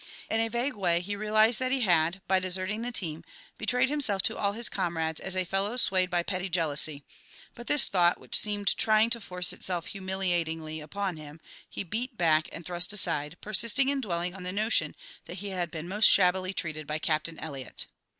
In a vague way he realized that he had, by deserting the team, betrayed himself to all his comrades as a fellow swayed by petty jealousy; but this thought, which seemed trying to force itself humiliatingly upon him, he beat back and thrust aside, persisting in dwelling on the notion that he had been most shabbily treated by Captain Eliot.